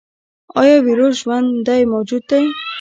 ایا ویروس ژوندی موجود دی؟